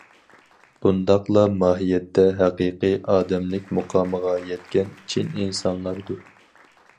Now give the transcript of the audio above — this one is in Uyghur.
بۇنداقلار ماھىيەتتە ھەقىقىي ئادەملىك مۇقامىغا يەتكەن چىن ئىنسانلاردۇر.